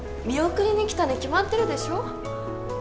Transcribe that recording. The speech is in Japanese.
見送りに来たに決まってるでしょ。